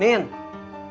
hidup hanya sebatas motor